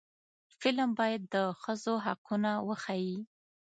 فلم باید د ښځو حقونه وښيي